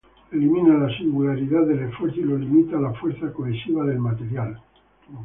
Elimina la singularidad del esfuerzo y lo limita a la fuerza cohesiva del material.